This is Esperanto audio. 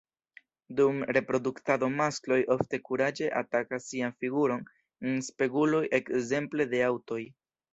Dum reproduktado maskloj ofte kuraĝe atakas sian figuron en speguloj ekzemple de aŭtoj.